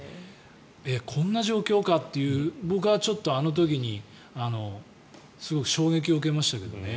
こんな状況かって僕はあの時にすごく衝撃を受けましたけどね。